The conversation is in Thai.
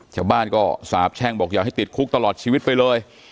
ชาวบ้านก็สาบแช่งบอกอยากให้ติดคุกตลอดชีวิตไปเลย